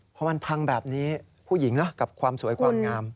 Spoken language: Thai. พอมันพังแบบนี้ผู้หญิงนะกับความสวยความงาม